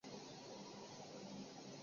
被证实将为该片提供故事。